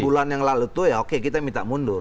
bulan yang lalu itu ya oke kita minta mundur